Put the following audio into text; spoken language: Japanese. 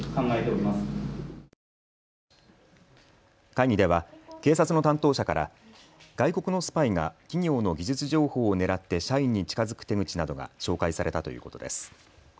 会議では警察の担当者から外国のスパイが企業の技術情報を狙って社員に近づく手口などが紹介されたということです。